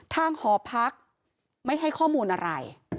หอพักไม่ให้ข้อมูลอะไร